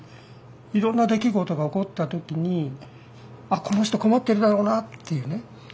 いろんな出来事が起こった時にこの人困ってるだろうなっていうね